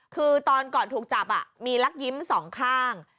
คือตอนก่อนถูกจับมีลักยิ้มสองข้าง